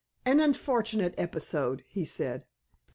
"An unfortunate episode," he said.